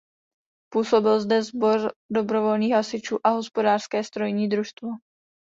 Působil zde sbor dobrovolných hasičů a hospodářské strojní družstvo.